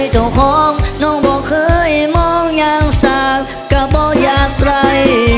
ต้องบอกเคยมองอย่างสากกะบ่อยากไร